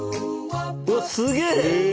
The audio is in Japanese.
うわっすげえ！